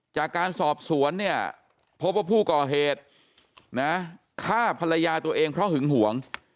จากการสอบสวนเนี่ยพบว่าผู้ก่อเหตุฆ่าภรรยาตัวเองเพราะหึงหวง